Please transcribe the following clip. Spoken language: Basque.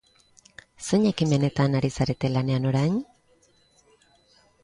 Zein ekimenetan ari zarete lanean orain?